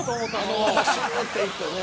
◆あのまま、しゅーって行ってね